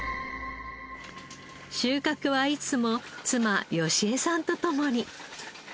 収穫はいつも妻良恵さんと共に。